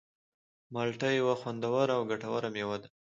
مالټه یوه خوندوره او ګټوره مېوه ده.